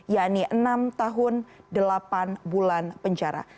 yang ini enam tahun delapan bulan penjara